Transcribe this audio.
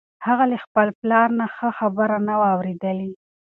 هغه له خپل پلار نه ښه خبره نه وه اورېدلې.